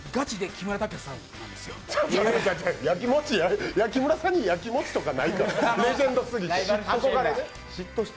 木村さんに焼き餅とかないから、レジェンドすぎて、憧れね。